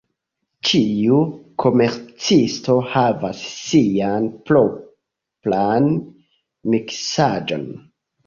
Ĉiu komercisto havas sian propran miksaĵon.